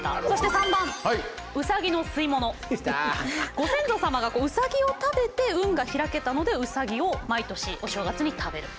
ご先祖様がウサギを食べて運が開けたのでウサギを毎年お正月に食べる。